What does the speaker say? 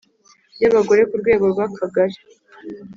y Abagore ku rwego rw Akagari